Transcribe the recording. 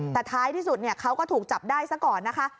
แต่ท้ายที่สุดเขาก็ถูกจับได้ซะก่อนนะคะ